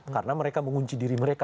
karena mereka mengunci diri mereka